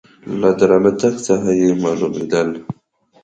له درانه تګ څخه یې مالومېدل .